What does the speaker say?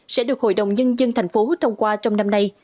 sẽ được hội đồng nhân dân tp hcm thông qua trong năm nay